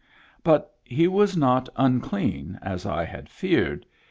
But he was not unclean, as I had feared.